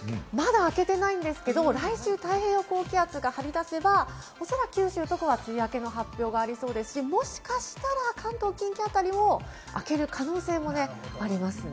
まだ明けてないんですけれども、来週、太平洋高気圧が張り出せば、梅雨明けの発表がありそうですし、関東、近畿あたりも明ける可能性もありますね。